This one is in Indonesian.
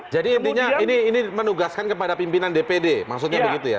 jadi ini menugaskan kepada pimpinan dpd maksudnya begitu ya